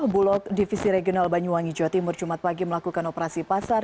bulog divisi regional banyuwangi jawa timur jumat pagi melakukan operasi pasar